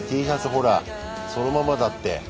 ほらそのままだって。